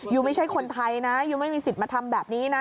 ไม่ใช่คนไทยนะยูไม่มีสิทธิ์มาทำแบบนี้นะ